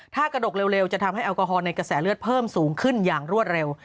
ถ้ากระดกเร็วจะทำให้แอลกอฮอลในกระแสเลือดเพิ่มสูงขึ้นอย่างรวดเร็ว